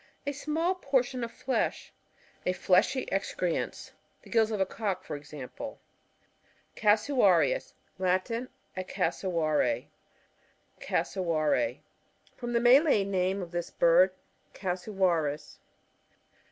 A small portion of flesh ; a fleshy excrescence ; the gills of a cock, for example. Casuarius. — Latin. A Cassowary. Cassowary. — From the Malay name of this bird, Casuwaris.